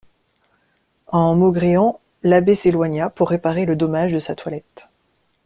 En maugréant, l'abbé s'éloigna pour réparer le dommage de sa toilette.